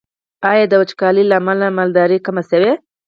آیا د وچکالۍ له امله مالداري کمه شوې؟